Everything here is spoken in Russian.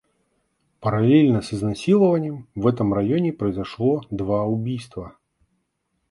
Параллельно с изнасилованием в этом районе произошло два убийства.